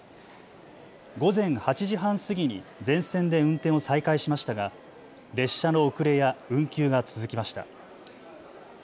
午前８時半過ぎに全線で運転を再開しましたが列車の遅れや運休が続きました。